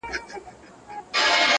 شېدې د ماشومانو خواړه دي.